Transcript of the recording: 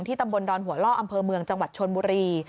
ตำบลดอนหัวล่ออำเภอเมืองจังหวัดชนบุรี